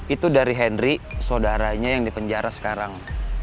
itu dari henry saudaranya yang di penjara sekarang